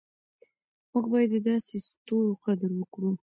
موږ باید د داسې ستورو قدر وکړو.